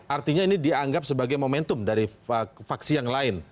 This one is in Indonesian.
artinya ini dianggap sebagai momentum dari faksi yang lain